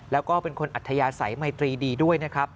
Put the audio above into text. แล้วก็เป็นคนอัธยาศัยไมตรีดีด้วยนะครับ